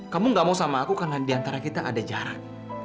kamu gak mau sama aku karena diantara kita ada jarak